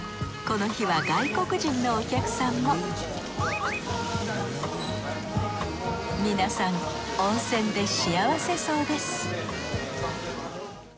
この日は外国人のお客さんも皆さん温泉で幸せそうです